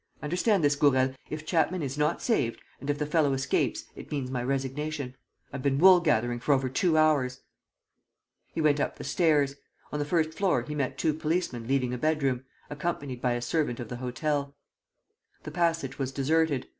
Understand this, Gourel: if Chapman is not saved and if the fellow escapes, it means my resignation. I've been wool gathering for over two hours." He went up the stairs. On the first floor he met two policemen leaving a bedroom, accompanied by a servant of the hotel. The passage was deserted.